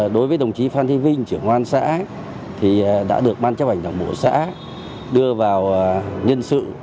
đối với đồng chí phan thi vinh trưởng hoan xã đã được ban chấp hành đảng bộ xã đưa vào nhân sự